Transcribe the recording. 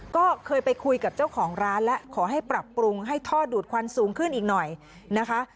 ก็เคยไปคุยกับเจ้าของร้านแล้วขอให้ปรับปรุงให้ท่อดูดควันสูงขึ้นอีกหน่อยนะคะ